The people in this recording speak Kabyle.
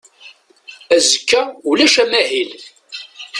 Azekka ulac amahil.